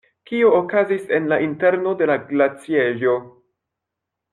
Kio okazis en la interno de la glaciejo?